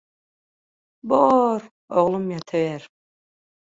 – Bor, oglum ýatyber.